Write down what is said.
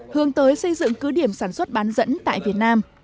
hướng tới xây dựng cứ điểm sản xuất bán dẫn tại việt nam